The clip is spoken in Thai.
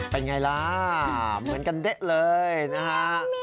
เป็นไงล่ะเหมือนกันเด๊ะเลยนะฮะ